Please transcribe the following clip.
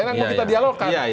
ini yang mau kita dialogkan